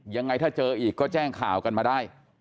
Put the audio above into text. ยังไงถ้าเจออีกก็แจ้งข่าวกันมาได้